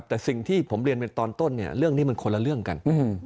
แต่สิ่งที่ผมเรียนไปตอนต้นเนี่ยเรื่องนี้มันคนละเรื่องกัน